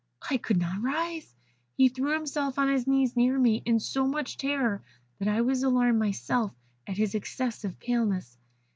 I could not rise. He threw himself on his knees near me, in so much terror that I was alarmed myself at his excessive paleness.